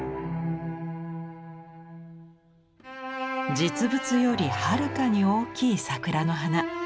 実物よりはるかに大きい桜の花。